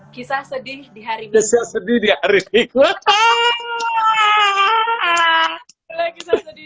kisah sedih di hari hari